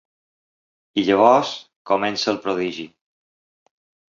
I llavors comença el prodigi.